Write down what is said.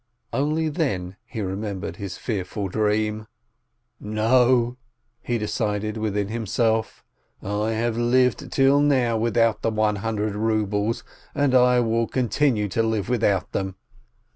Only then he remembered his fearful dream. "No," he decided within himself, "I have lived till now without the hundred rubles, and I will continue to live without them.